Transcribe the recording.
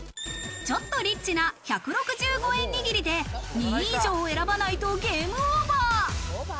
ちょっとリッチな１６５円握りで２位以上を選ばないとゲームオーバー。